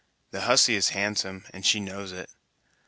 The hussy is handsome, and she knows it.